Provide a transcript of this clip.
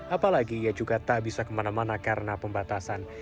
apalagi ia juga tak bisa kemana mana karena pembatasan